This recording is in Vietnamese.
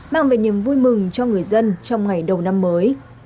mang về niềm vui mừng cho người dân trong ngày đầu năm mới